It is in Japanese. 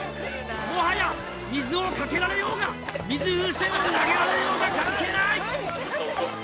もはや水をかけられようが水風船を投げられようが関係ない！